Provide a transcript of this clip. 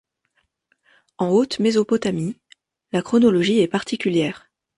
En Haute Mésopotamie, la chronologie est particulière.